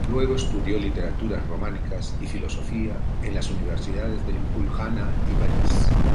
Luego estudió Literaturas Románicas y Filosofía en las universidades de Ljubljana y París.